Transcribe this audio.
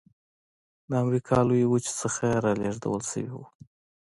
د امریکا لویې وچې څخه رالېږدول شوي وو.